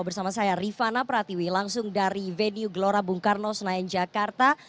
bersama saya rifana pratiwi langsung dari venue gelora bung karno senayan jakarta